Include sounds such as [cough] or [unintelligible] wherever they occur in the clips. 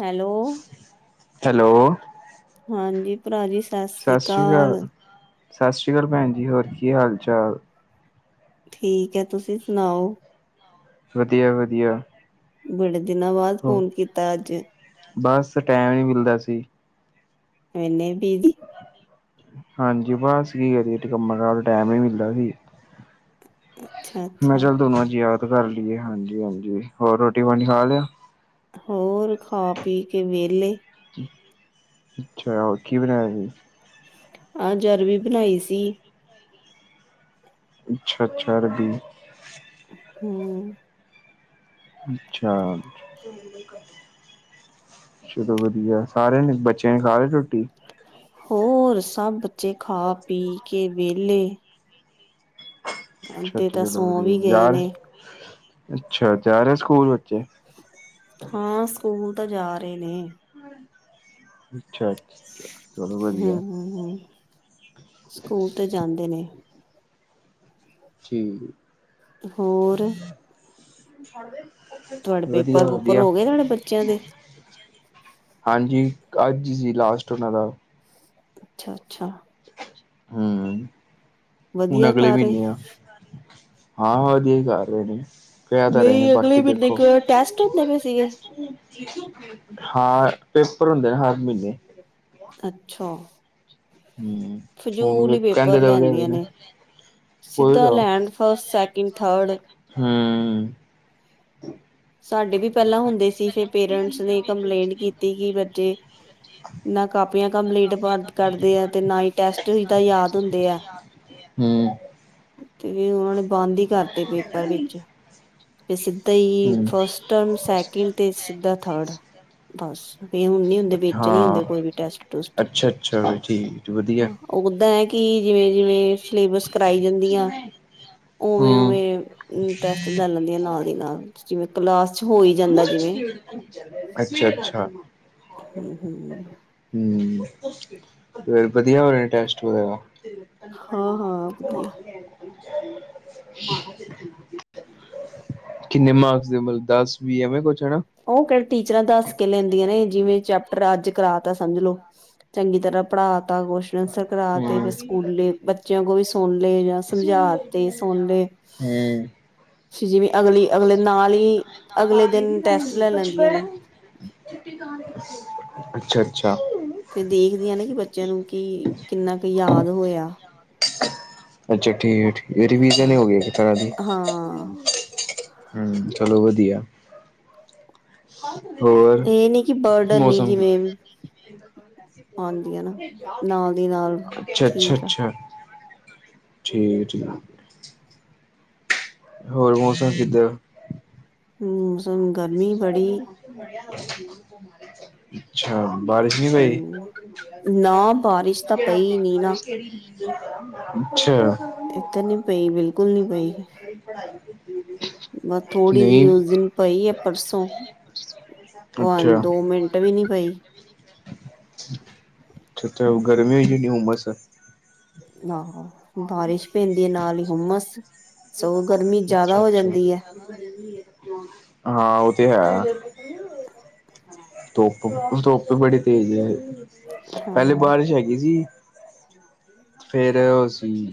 Hello, hello, ਹਾਂਜੀ। ਭਰਾ ਜੀ ਸਤਿ ਸ੍ਰੀ ਸਸਰੀ ਅਕਾਲ ਕਾਲ, ਸਸਰੀ ਕਾਲ ਭੈਣ ਜੀ। ਹੋਰ ਕੀ ਹਾਲ- ਚਾਲ? ਠੀਕ ਏ, ਤੁਸੀ ਸੁਨਾਓ। ਵਧੀਆ-ਵਧੀਆ। ਬੜੇ ਦਿਨਾਂ ਬਾਦ ਫੋਨ ਕੀਤਾ ਅੱਜ। ਬਸ ਟੈਮ ਨੀ ਮਿਲ਼ਦਾ ਸੀ। ਏਨੇ ਬੀਜੀ। ਹਾਂਜੀ, ਬਸ ਕੀ ਕਰੀਏ ਕੰਮਾਂ ਕਾਰ ਟੈਮ ਨੀ ਮਿਲਦਾ ਸੀ। ਅੱਛਾ ਮੈਂ ਅੱਛਾ ਚਲ ਤੋਨੂ ਅਜ ਯਾਦ ਕਰ ਲਈਏ ਹਾਂਜੀ- ਹਾਂਜੀ ਹੋਰ ਰੋਟੀ ਪਾਣੀ ਖਾ ਲੇਆ? ਹੋਰ, ਖਾ ਪੀ ਕੇ ਵੇਲੇ। ਅੱਛਾ, ਹੋ ਕੀ ਬਣਾਇਆ ਸੀ? ਅੱਜ ਅਰਵੀ ਬਣਾਈ ਸੀ। ਅੱਛਾ-ਅੱਛਾ ਅਰਬੀ। ਹੂੰ। ਅੱਛਾ ਚਲੋ ਵਧੀਆ, ਸਾਰੇਆਂ ਨੇ ਬੱਚੇਆਂ ਨੇ ਖਾ ਲੀ ਰੋਟੀ। ਹੋਰ, ਸਭ ਬੱਚੇ ਖਾ ਪੀ ਕੇ ਵੇਲੇ। ਅਛਾ ਤਾਂ ਚਲੋ ਸੌ ਵਧੀਆ ਵੀ ਗਏ ਜਾ ਰੇ, ਨੇ ਅੱਛਾ ਜਾ ਰੇ ਸਕੂਲ ਬੱਚੇ। ਹਾਂ, ਸਕੂਲ ਤਾਂ ਜਾ ਰੇ ਨੇ। ਅੱਛਾ। ਅੱਛਾ, ਚਲੋ ਹੂਂ ਵਧੀਆ ਹੂਂ ਹੂਂ, ਸਕੂਲ ਤਾਂ ਜਾਂਦੇ ਨੇ। ਠੀਕ ਹੋਰ ਏ ਤੁਹਾਡੇ [inaudible] ਵਧੀਆ ਪੇਪਰ ਪੂਪਰ ਵਧੀਆ। ਹੋ ਗਏ ਤੁਹਾਡੇ ਬੱਚਿਆਂ ਦੇ ਹਾਂਜੀ ਅੱਜ ਹੀ ਸੀ ਲਾਸਟ ਉਹਨਾਂ ਦਾ। ਅੱਛਾ ਅੱਛਾ। ਹਮ ਹੁਣ ਵਧੀਆ ਅਗਲੇ ਕਰ ਰਹੇ ਮਹੀਨੇ ਆ। ਹਾਂ ਵਧੀਆ ਹੀ ਕਰ ਰਹੇ ਨੇ। ਕਹਿ ਤਾਂ ਰਹੇ ਨੇ ਨਹੀਂ ਬਾਕੀ ਅਗਲੇ ਮਹੀਨੇ ਦੇਖੋਂ ਕ ਟੈਸਟ ਹੁੰਦੇ ਪਏ ਸੀਗੇ [unintelligible] ਹਾਂ ਪੇਪਰ ਹੁੰਦੇ ਆ ਹਰ ਮਹੀਨੇ। ਅੱਛਾ। ਹਮ ਹੁਣ ਫਜੂਲ ਵੀ ਹੀ ਪੇਪਰ ਕਹਿੰਦੇ ਤਾਂ ਲੈਂਦੀਆਂ ਹੇਗੈ ਨੇ ਸਿੱਧਾ ਲੈਨ ਫਸਟ ਸੈਕਿੰਡ ਥਰਡ। ਹਮ। [inaudible] ਸਾਡੇ ਵੀ ਪਹਿਲਾਂ ਹੁੰਦੇ ਸੀ ਫੇਰ ਪੇਰੈਂਟਸ ਨੇ ਕੰਪਲੇਂਟ ਕੀਤੀ ਕਿ ਬੱਚੇ ਨਾ ਕਾਪੀਆਂ ਕੰਪਲੀਟ ਕਰ ਕਰਦੇ ਆ ਤੇ ਨਾ ਹੀ ਟੈਸਟ ਵੀ ਤਾਂ ਯਾਦ ਹੁੰਦੇ ਆ। ਹਮ। ਤੇ ਉਹਨਾ ਨੇ ਬੰਦ ਹੀ ਕਰਤੇ ਪੇਪਰ ਵਿੱਚ। ਤੇ ਸਿੱਧਾ ਹੀ ਹਮ ਫਸਟ ਟਰਮ ਸੈਕਿੰਡ ਤੇ ਸਿੱਧਾ ਥਰਡ। ਬਸ ਇਹ ਹੁਣ ਨੀ ਹੁੰਦੇ ਵਿੱਚ ਨੀ ਹਾਂ ਹੁੰਦੇ ਕੋਈ ਵੀ ਟੈਸਟ ਟੂਸਟ। ਅੱਛਾ ਅੱਛਾ ਠੀਕ ਵਧੀਆ ਉਦਾਂ ਹੈ ਕਿ ਜਿਵੇਂ ਜਿਵੇਂ ਸਿਲੇਬਸ ਕਰਾਈ ਜਾਂਦੀਆਂ ਉਵੇਂ ਹਮ ਉਵੇਂ ਟੈਸਟ ਲੈ ਲੈਂਦੀ ਆ ਨਾਲ ਦੀ ਨਾਲ ਜਿਵੇਂ ਕਲਾਸ ਚ ਹੋਈ ਜਾਂਦਾ ਜਿਵੇਂ। ਅੱਛਾ ਅੱਛਾ ਹਮ। ਹਮ ਹਮ ਫੇਰ ਵਧੀਆ ਹੋ ਰਹੇ ਆ ਟੈਸਟ ਵਗੈਰਾ? ਹਾਂ ਹਾਂ ਵਧੀਆ ਕਿੰਨੇ ਮਾਰਕਸ ਦੇ ਮਤਲਬ ਦਸ ਵੀ ਐਵੇਂ ਕੁਛ ਹੈਨਾ? ਉਹ ਕਿਹੜਾ ਟੀਚਰਾਂ ਦੱਸ ਕੇ ਲੈਂਦੀਆਂ ਨੇ ਜਿਵੇਂ ਚੈਪਟਰ ਅੱਜ ਕਰਾ ਤਾ ਸਮਝ ਲੋੋ ਚੰਗੀ ਤਰ੍ਹਾਂ ਪੜ੍ਹਾ ਤਾ ਕੁਛ [unintelligible] ਕਰਾ ਤੇ ਫੇਰ ਹੂੰ, ਸਕੂਲੇ ਬੱਚਿਆਂ ਕੋ ਵੀ ਸੁਣ ਲਏ ਜਾਂ ਸਮਝਾ ਤੇ ਸੁਣ ਲਏ। ਹਮ। ਫੇਰ ਜਿਵੇਂ ਅਗਲੀ ਅਗਲੇ ਨਾਲ ਹੀ ਅਗਲੇ ਦਿਨ ਟੈਸਟ ਲੈ ਲੈਂਦੀਆਂ ਨੇ ਅੱਛਾ ਅੱਛਾ। ਫੇਰ ਦੇਖਦੀ ਆ ਨਾ ਕਿ ਬੱਚਿਆਂ ਨੂੰ ਕੀ ਕਿੰਨਾ ਕੁ ਯਾਦ ਹੋਇਆ। ਅੱਛਾ ਠੀਕ ਹੈ ਠੀਕ ਰਿਵੀਜ਼ਨ ਹੀ ਹਾਂ ਹੋਗੀ ਇੱਕ ਤਰ੍ਹਾਂ ਦੀ। ਹਾਂ ਹਮ ਚਲੋ ਵਧੀਆ। ਹੋਰ, ਇਹ ਨਹੀਂ ਕਿ ਬਰਡਨ ਨੀ ਮੌਸਮ ਜਿਵੇਂ ਆਂਦੀ ਆ ਨਾ ਨਾਲ ਦੀ ਨਾਲ ਠੀਕ ਆ। ਠੀਕ ਹੈ ਠੀਕ ਹੈ। ਹੋਰ ਮੌਸਮ ਕਿੱਦਾਂ? [unintelligible] ਮੋਸਮ ਅੱਛਾ ਬਾਰਿਸ਼ ਨੀ ਪਈ? ਹਮ ਨਾ ਬਾਰਿਸ਼ ਤਾਂ ਪਈ ਨੀ ਨਾ ਅੱਛਾ। ਇੱਥੇ ਨੀ ਪਈ ਵੀ [unintelligible] ਬਸ, ਥੋੜੀ ਜਿਹੀ ਨਹੀਂ ਉਸ ਦਿਨ ਪਈ ਐ, ਪਰਸੋਂ। ਦੋ ਮਿੰ ਟ ਵੀ ਨਹੀ ਪਈ। ਅੱਛਾ-ਅੱਛਾ। ਉਹ ਗਰਮੀ ਹੋਈਗੀ, ਉਮਸ। ਨਾਂਹ। ਬਾਰਿਸ਼ ਪੈਂਦੀ ਐ ਨਾਲ ਈ ਹੁਮਸ। ਸਗੋਂ ਗਰਮੀ ਜਿਆਦਾ ਅੱਛਾ ਹੋ ਅੱਛਾ ਜਾਂਦੀ ਐ। ਹਾਂ, ਉਹ ਤੇ ਹੈ। ਧੁੱਪ-ਧੁੱਪ ਬੜੀ ਤੇਜ਼ ਐ। ਪਹਿਲੇ ਹਾਂ ਬਾਰਿਸ਼ ਹੈਗੀ ਸੀ ਫੇਰ ਉਹ ਸ‌ਈ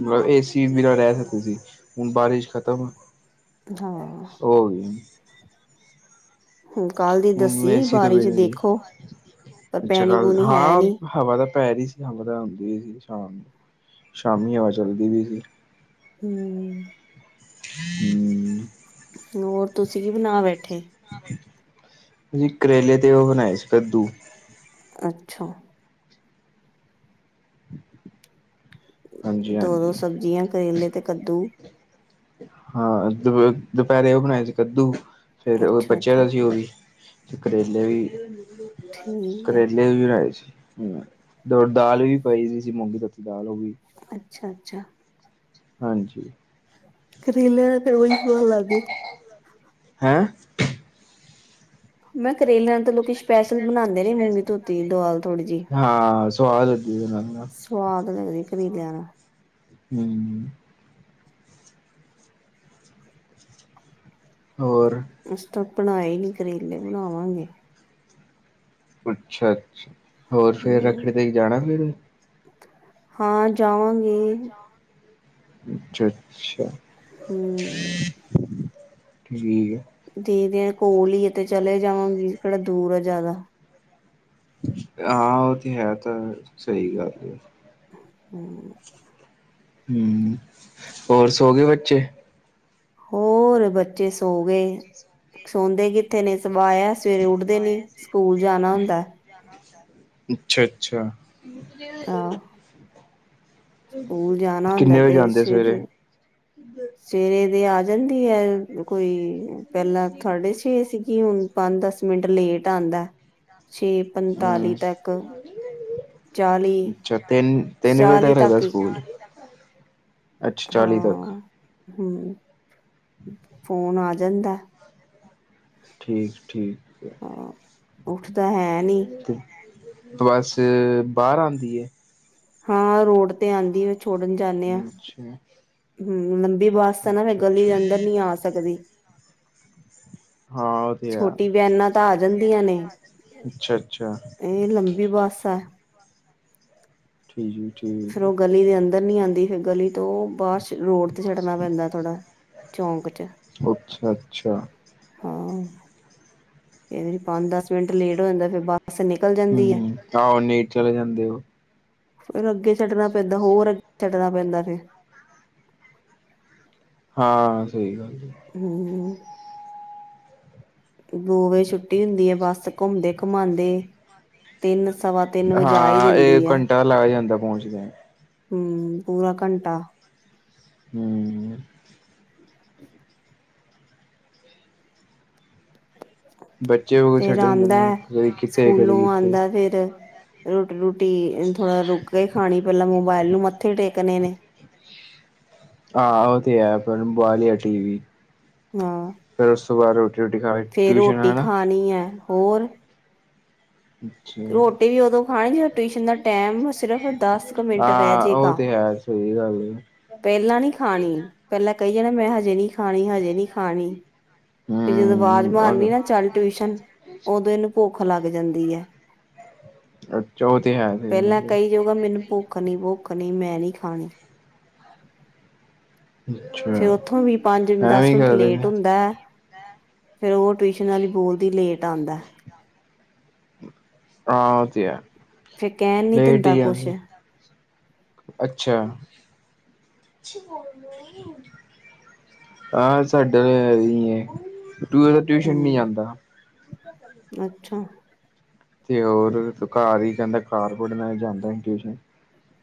ਮਲਬ, ਏ ਸੀ ਬਿਨਾਂ ਰਹਿ ਸਕਦੇ ਸੀ। ਹੁਣ ਬਾਰਿਸ਼ ਖ਼ਤਮ ਆ ਹਾਂ। ਹੁਣ ਕੱਲ ਦੀ ਹੁਣ ਏ ਦੱਸੀ ਸੀ ਤੋਂ ਬਾਰਿਸ਼ ਬਿਨ ਦੇਖੋ ਪਰ [unintelligible] ਅੱਛਾ ਪੈਣੀ ਕੱਲ੍ਹ ਪੂਣੀ ਹੈ ਹਾਂ। ਨੀ ਹਵਾ ਤਾਂ ਪੈ ਰਹੀ ਸੀ। ਹਵਾ ਤਾਂ ਆਉਂਦੀ ਵੀ ਸੀ ਸ਼ਾਮ ਨੂੰ। ਸ਼ਾਮੀ ਹਵਾ ਚੱਲਦੀ ਵੀ ਸੀ। ਹਮ। [inaudible] ਹੋਰ ਤੁਸੀਂ ਕੀ ਬਣਾ ਬੈਠੇ? [inaudible] ਅਸੀ ਕਰੇਲੇ ਤੇ ਉਹ ਬਣਾਏ ਸੀ ਕੱਦੂ। ਅੱਛਾ। ਹਾਂਜੀ ਦੋ-ਦੋ ਹਾਂਜੀ ਸਬਜ਼ੀਆਂ ਕਰੇਲੇ ਤੇ ਕੱਦੂ। ਹਾਂ, ਦੁ-ਦੁਪਹਿਰੇ ਉਹ ਬਣਾਏ ਸੀ ਕੱਦੂ। ਫੇਰ ਉਹ ਬੱਚਿਆ ਅੱਛਾ-ਅੱਛਾ ਦਾ ਸੀ ਉਹ ਵੀ ਤੇ ਕੜੇਲੇ ਵੀ, ਠੀਕ ਹੈ ਕਰੇਲੇ ਵੀ ਬਣਾਏ ਸੀ। ਹਮ, ਦੜ ਦਾਲ ਵੀ ਪਈ ਦੀ ਸੀ, ਮੂੰਗੀ ਤੋਤੀ ਦਾਲ ਉਹ ਵੀ। ਅੱਛਾ-ਅੱਛਾ। ਹਾਂਜੀ। ਕਰੇਲੇ ਤੇ ਉਹੀ ਸਵਾਦ ਲੱਗਦੇ ਹਾਂ। ਮੈ ਕਰੇਲਿਆਂ ਤੋਂ ਲੋਕੀ ਸਪੈਸ਼ਲ ਬਣਾਉਂਦੇ ਨੇ ਮੂੰਗੀ ਧੋਤੀ ਦਾਲ ਥੋੜ੍ਹੀ ਜਿਹੀ ਹਾਂ, ਸਵਾਦ ਹੁੰਦੀ ਫੇਰ ਮੈਮ ਉਹ ਨਾ। ਸਵਾਦ ਲੱਗਦੀ ਕਰੇਲਿਆਂ ਨਾ ਹਮ। ਹੋਰ। ਅਸ ਤਾਂ ਬਣਾਏ ਨੀ ਕਰੇਲੇ, ਬਣਾਵਾਂਗੇ। ਅੱਛਾ-ਅੱਛਾ। ਹੋਰ ਫੇਰ, ਹਮ ਰੱਖੜੀ ਤੇ ਜਾਣਾ ਫੇਰ ਹਾਂ ਜਾਵਾਂਗੇ। ਅੱਛਾ-ਅੱਛਾ। ਹੂੰ। ਜੀ ਜਿਹਾ। ਦੀਦੀ ਦੇ ਐਹ ਕੋਲ ਈ ਤੇ ਚਲੇ ਜਾਵਾਂਗੀ। ਕਿਹੜਾ ਦੂਰ ਆ ਜ਼ਿਆਦਾ ਆਂ, ਉਹ ਤੇ ਹੈ ਤਾਂ ਸਹੀ ਗੱਲ ਆ। ਹਾਂ। ਹਮ, ਹੋਰ ਸੋਗੇ ਬੱਚੇ? ਹੋਰ ਬੱਚੇ ਸੌ ਗ‌ਏ। ਸੌਦੇ ਕਿ ਕਿੱਥੇ ਨੇ। ਸਵਾਆ, ਸਵੇਰੇ ਉੱਠਦੇ ਨੀ, ਸਕੂਲ ਜਾਣਾ ਹੁੰਦਾ। ਅੱਛਾ-ਅੱਛਾ। ਆਹ ਸਕੂਲ ਜਾਣਾ ਹੁੰਦਾ ਕਿੰਨੇ ਵਜੇ ਤੇ ਜਾਂਦੇ ਸਵੇਰੇ? ਸਵੇਰੇ ਦੇ ਆ ਜਾਂਦੀ ਹੈ ਕੋਈ ਪਹਿਲਾਂ ਤੁਹਾਡੇ ਛੇ ਸੀਗੀ ਹੁਣ ਪੰਜ ਦਸ ਮਿੰਟ ਲੇਟ ਆਂਦਾ। ਛੇ ਪਣਤਾਲੀ ਹੂੰ। ਤੱਕ ਚਾਲੀ ਅੱਛਾ ਤਿੰਨ, ਤਿੰਨ ਵਜੇ ਚਾਲੀ ਤੱਕ ਲਗਦਾ ਹੀ ਸਕੂਲ। ਅੱਛਾ ਚਾਲੀ ਤੱਕ ਹਾਂ, ਹੂੰ, ਫੋਨ ਆ ਜਾਂਦਾ। ਠੀਕ, ਠੀਕ। ਹਾਂ ਉੱਠਦਾ ਹੈ ਨੀ ਬਸ ਬਾਹਰ ਆਂਦੀ ਐ। ਹਾਂ ਰੋਡ ਤੇ ਆਂਦੀ ਵੇ ਛੋੜਨ ਜਾਂਨੇ ਆ, ਅੱਛਾ ਹੂੰ ਲੰਬੀ ਬਾਹਰ ਬੱਸ ਨਾ ਮੈਂ ਅੱਛਾ ਗਲੀ ਅੱਛਾ ਦੇ ਅੰਦਰ ਨੀ ਆ ਸਕਦੀ। ਹਾਂ ਉਹ ਤੇ ਆ। ਛੋਟੀ ਬਿਆਨਾਂ ਤਾਂ ਆ ਜਾਂਦੀਆਂ ਨੇ। ਅੱਛਾ ਅੱਛਾ ਇਹ ਲੰਬੀ ਬੱਸ ਆ। ਠੀਕ ਫੇਰ ਠੀਕ ਉਹ ਗਲੀ ਦੇ ਅੰਦਰ ਨਹੀਂ ਆਉਂਦੀ ਫਿਰ ਗਲੀ ਤੋਂ ਉਹ ਬਾਸ਼ ਰੋਡ ਤੇ ਛੱਡਣਾ ਪੈਂਦਾ ਥੋੜਾ, ਚੌਂਕ ਚ। ਅੱਛਾ-ਅੱਛਾ। ਹਾਂ, ਕਈ ਵਾਰੀ ਪੰਜ ਦਸ ਮਿੰਟ ਲੇਟ ਹੋ ਜਾਂਦਾ ਫਿਰ ਬੱਸ ਬਸ ਨਿਕਲ ਜਾ ਹੂੰ ਆਹੋ ਨਹੀਂ ਚਲੇ ਜਾਂਦੇ ਉਹ। ਫਿਰ ਅੱਗੇ ਛੱਡਣਾ ਪੈਂਦਾ ਹੋਰ ਅੱਗੇ, ਛੱਡਣਾ ਪੈਂਦਾ ਫਿਰ। ਹਾਂ ਸਹੀ ਗੱਲ ਏ। ਹੂੰ ਦੋ ਵਜੇ ਛੁੱਟੀ ਹੁੰਦੀ ਏ ਬੱਸ ਘੁੰਮਦੇ ਘੁਮਾਦੇ, ਤਿੰਨ ਸਵਾ ਤਿੰਨ ਵਜਾ ਹੀ ਹਾਂ ਇਹ ਦਿੰਦੀ ਘੰਟਾ ਲੱਗ ਜਾਂਦਾ ਪਹੁੰਚਦਿਆ। ਹੂੰ ਪੂਰਾ ਘੰਟਾ। ਹੂੰ ਬੱਚੇ ਕੋਲ ਫੇਰ ਛੱਡੇ ਹੁੰਦੇ ਆਂਦਾ, ਨੇ ਕਦੇ ਕਿਤੇ ਕਦੇ ਸਕੂਲੋਂ ਕਿਤੇ ਆਂਦਾ ਫਿਰ। ਰੋਟੀ-ਰੂਟੀ ਥੋੜਾ ਰੁਕ ਕੇ ਖਾਣੀ ਪਹਿਲਾਂ ਮੋਬਾਇਲ ਨੂੰ ਮੱਥੇ ਟੇਕਣੇ ਨੇ। ਹਾਂ ਉਹ ਤੇ ਹੈ ਪਰ ਬੁਆ ਲਿਆ ਟੀ ਵੀ। ਹਾਂ ਫਿਰ ਉਸ ਤੋਂ ਬਾਅਦ ਰੋਟੀ-ਰੂਟੀ ਖਾ ਕੇ ਫੇਰ ਟਿਊਸ਼ਨ ਰੋਟੀ ਹਨਾ ਖਾਣੀ ਐ ਹੋਰ। ਅੱਛਾ ਰੋਟੀ ਵੀ ਉਦੋਂ ਖਾਣੀ ਜਦੋਂ ਟਿਊਸ਼ਨ ਦਾ ਟੈਮ ਸਿਰਫ ਦਸ ਕੁ ਮਿੰਟ ਰਹਿ ਹਾਂ ਉਹ ਜੇਗਾ। ਤੇ ਹੈ ਸਹੀ ਗੱਲ ਏ। ਪਹਿਲਾਂ ਨੀ ਖਾਣੀ, ਪਹਿਲਾਂ ਕਹੀ ਜਾਣਾ ਮੈਂ ਹਜੇ ਨੀ ਖਾਣੀ ਹਜੇ ਨੀ ਖਾਣੀ। ਫੇਰ ਜਦੋਂ ਆਵਾਜ਼ ਹੂੰ ਮਾਰਨੀ ਨਾ ਚੱਲ ਟਿਊਸ਼ਨ, ਉਦੋਂ ਇਹਨੂੰ ਭੁੱਖ ਲੱਗ ਜਾਂਦੀ ਐ। ਅੱਛਾ ਉ‌ਹ ਤੇ ਹੈ ਸਹੀ ਗੱਲ ਏ। ਇਹ ਕਹੂੰਗਾ ਮੈਨੂੰ ਭੁੱਖ ਨੀ ਭੁੱਖ ਨੀ ਮੈਂ ਨੀ ਖਾਣੀ। ਫੇਰ ਅੱਛਾ ਉੱਥੋਂ ਵੀ ਪੰਜ-ਦਸ ਐਵੇਂ ਮਿੰਟ ਕਰਦੇ ਨੇ ਲੇਟ ਹੁੰਦਾ ਐ- ਫਿਰ ਉਹ ਟਿਊਸ਼ਨ ਵਾਲੀ ਬੋਲਦੀ ਲੇਟ ਆਂਦਾ। [inaudible] ਹਾਂ ਉਹ ਤੇ ਐ, ਫੇਰ ਕਹਿਣ ਨੀ ਲੇਟ ਈ ਦਿੰਦਾ ਕੁਛ ਆਂਦੇ। ਅੱਛਾ [unintelligible] ਆਹ ਸਾਡਾ ਤਾਂ [unintelligible] ਤੂੰ ਟਿਊਸ਼ਨ ਨਹੀਂ ਹੂੰ। ਜਾਂਦਾ। ਅੱਛਾ। ਤੇ ਹੋਰ ਉਹ ਤਾਂ ਘਰ ਈ ਕਹਿੰਦਾ ਘਰ ਪੜ੍ਹਨਾ ਜਾਂਦਾ ਈ ਨੀ ਟਿਊਸ਼ਨ।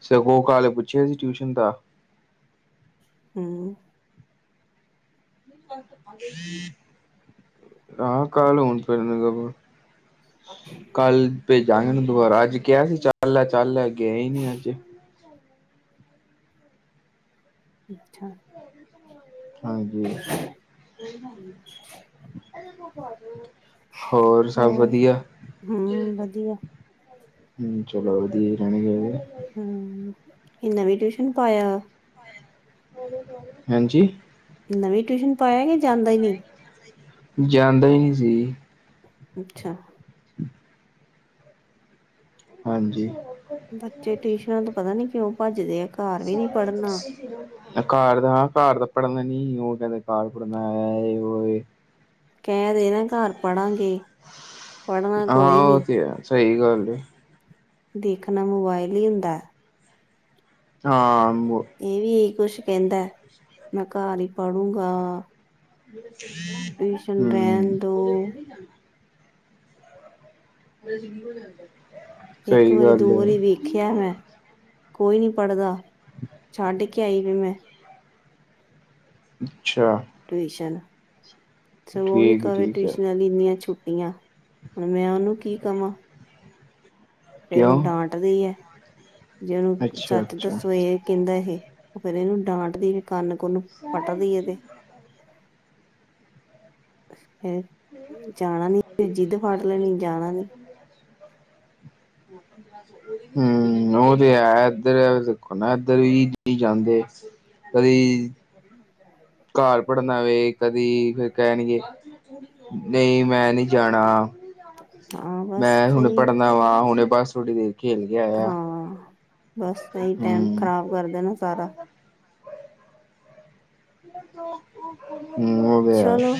ਸਗੋਂ ਕੱਲ ਪੁੱਛਿਆ ਸੀ ਟਿਊਸ਼ਨ ਦਾ? ਹੂੰ। ਆਹ, ਕਾਲ ਹੁਨ ਫਿਰ ਲਗਾ ਦਓ। ਕੱਲ ਭੇਜਾ ਗਏ ਦੁਬਾਰਾ, ਅੱਜ ਕੇਐ, ਚੱਲ ਲੈ, ਚੱਲ ਲੈ ਗੇਆ ਈ ਨੀ ਅੱਜ। ਅੱਛਾ। ਹਾਂਜੀ, ਲੇਟ ਹੋ ਗਿਐ, ਏਦੇ ਕੋਲ ਪਾ ਦੇਓ। ਹੋਰ ਸਭ ਹੂੰ ਵਦੀਆ, ਹੂੰ ਜਿਦ। ਵਧੀਆ ਹੂੰ ਚਲੋ, ਵਦੀਆ ਈ ਰੈਣੇ ਚਾਈਦੇ। ਹੂੰ, ਏਹ ਨਵੀਂ ਟਿਊਸ਼ਨ ਪਾਇਆ। ਐਹ ਦੇ ਪਵਾ ਦਿਆ, ਹੈਂਜੀ। ਨਵੀਂ ਟਿਊਸ਼ਨ ਪਾਇਐ, ਕੇ ਜਾਂਦਾ ਈ ਨੀ। ਜਾਂਦਾ ਈ ਨੀ ਸੀ। ਅੱਛਾ। ਹਾਂਜੀ। ਬੱਚੇ ਟਿਊਸ਼ਨਾਂ ਤੋਂ ਪਤਾ ਨੀ ਕਿਉਂ ਭੱਜਦੇ ਆ। ਘਰ ਵੀ ਨੀ ਸੋਹਣੇ ਪੜ੍ਹਨਾ ਤੁਸੀਂ। ਠੀਕ ਏ, ਐ ਘਰ ਦਾ-ਘਰ ਦਾ ਪੜ੍ਹਨਾ ਨੀ, ਓ ਕੈਂਦੇ ਘਰ ਪੜ੍ਹਨੈ, ਐਹ ਏ ਔਹ ਏ। ਕੈਅ ਦੇ ਨਾ ਘਰ ਪੜਾਂਗੇ। ਪੜ੍ਹਨਾ ਹਾਂ, ਕੋਈ ਉਹ ਨੀ 'ਤੇ ਐ, ਸਹੀ ਗੱਲ ਏ। ਦੇਖਨਾ ਮੋਬਾਇਲ ਈ ਹੁੰਦੈ। ਹਾਂ, ਮ ਏਹ ਵੀ ਕੁਸ਼ ਕੈਂਦਾ, ਮੈਂ ਘਰ ਈ ਪੜੂਗਾ। ਹੂੰ, ਰਹਿਣ ਦੋ ਸਕੂਲੇ ਨੀ ਜਾਂਦਾ। ਏਅ ਸਿੰਬਲ ਜਾਂਦੈ। ਇੱਕ ਵਾਰੀ ਦੋ ਵਾਰੀ ਵੇਖੀ। ਕੇਆ ਮੈ, ਕੋਈ ਨੀ ਪੜ੍ਹਦਾ, ਛੱਡ ਕੇ ਆਈ ਵੀ ਮੈ। ਅੱਛਾ। ਟਿਊਸ਼ਨ, ਚਲੋ ਉਹ ਵੀ ਠੀਕ ਕਵੇ ਠੀਕ ਹੈ ਟਿਊਸ਼ਨਰ। ਨੀਨੀਆ ਛੁੱਟੀਆ, ਹੁਨ ਮੈ ਉਨੂੰ ਕੀ ਕਵਾਂ? ਫਿਰ ਉਹ ਕਿਉਂ ਡਾਂਟਦੀ ਏ, ਜੇ ਉਨੂੰ ਅੱਛਾ ਸੱਚ ਅੱਛਾ ਦੱਸੋ ਇਹ। ਕੈਂਦਾ ਹੇ, ਫਿਰ ਇਨੂੰ ਡਾਂਟਦੀ ਏ, ਕੰਨ- ਕੁੰਨ ਪੱਟਦੀ ਇਦੇ। ਹੇ। [inaudible] ਹਂ ਲੈਣੀ ਜਾਣਾ ਨੀ [unintelligible] ਹੂੰ, ਉਹ ਤੇ ਹੈ ਏਦੱਰ, ਦੇਖੋ ਨਾ, ਐਦੱਰ ਵੀ ਨੀ ਜਾਂਦੇ। ਕਦੀ। ਘਰ ਪੜਨਾ ਵੇ, ਕਦੀ ਫਿਰ ਕੈਂਨਗੇ। ਨਈ ਮੈ ਨੀ ਜਾਣਾ, ਹਾਂ ਬਸ ਮੈ ਹੁਨ ਸਹੀ ਪੜ੍ਹਨ। ਨਵ੍ਹਾ ਹੁਨੇ ਬਸ ਥੋੜੀ ਦੇਰ ਖੇਲ ਕੇ ਆਇਆ। ਹਾਂ ਬਸ ਸਹੀ ਟੈਮ ਹਮ ਖਰਾਬ ਕਰਦੈ ਨਾ ਸਾਰਾ। ਹੂੰ, ਉਹ 'ਤੇ ਹੈ। ਚਲੋ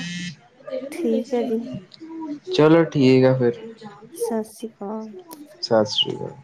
ਠੀਕ ਹੈ ਜੀ [unintelligible] ਚਲੋ, ਠੀਕ ਐ ਫਿਰ। ਸਸ੍ਰੀ ਕਾਲ। ਸਸ਼੍ਰੀ ਕਾਲ।